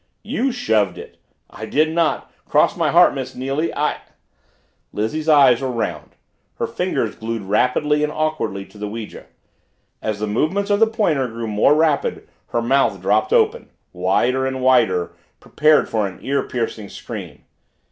"You shoved it!" "I did not cross my heart, Miss Neily I " Lizzie's eyes were round, her fingers glued rigidly and awkwardly to the ouija. As the movements of the pointer grew more rapid her mouth dropped open wider and wider prepared for an ear piercing scream.